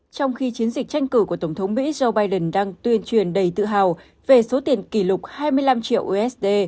trong khi chiến dịch tranh cử của tổng thống mỹ joe biden đang tuyên truyền đầy tự hào về số tiền kỷ lục hai mươi năm triệu usd